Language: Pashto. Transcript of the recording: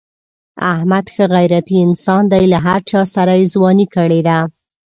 احمد ښه غیرتی انسان دی. له هر چاسره یې ځواني کړې ده.